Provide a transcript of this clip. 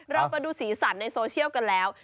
เรามาดูสีสันในโซเชียลกันแล้ว